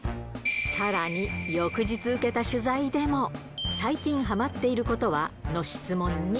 さらに、翌日受けた取材でも、最近ハマっていることは？の質問に。